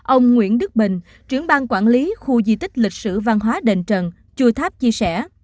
ông nguyễn đức bình trưởng ban quản lý khu di tích lịch sử văn hóa đền trần chùa tháp chia sẻ